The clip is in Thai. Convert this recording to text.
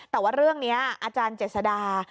แต่ว่าเรื่องนี้อาจารย์เจษดา